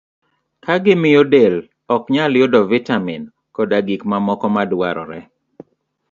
ka gimiyo del ok nyal yudo vitamin koda gik mamoko madwarore.